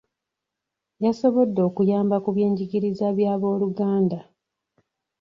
Yasoboddde okuyamba ku by'enjigiriza bya b'oluganda .